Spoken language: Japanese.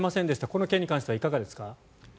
この件に関してはいかがですか？